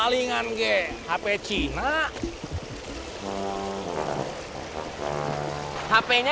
lu ngajak kan